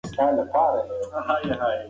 هفتې وروسته وضعیت بدل شو.